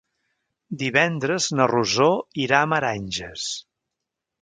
Divendres na Rosó irà a Meranges.